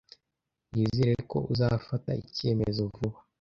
Nizere ko uzafata icyemezo vuba.